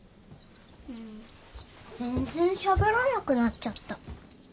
うん全然しゃべらなくなっちゃった。